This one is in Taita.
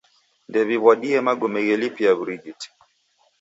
Ndew'iw'adie magome ghelipia w'urighiti.